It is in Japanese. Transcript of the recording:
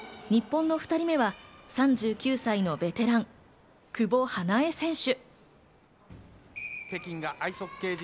日本の２人目は、３９歳のベテラン・久保英恵選手。